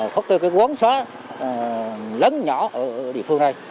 có cái quán xóa lớn nhỏ ở địa phương này